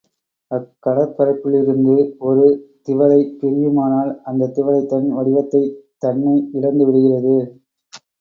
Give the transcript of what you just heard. அக்கடற்பரப்பிலிருந்து ஒரு திவலை பிரியுமானால் அந்தத் திவலை தன் வடிவத்தைதன்னை இழந்து விடுகிறது.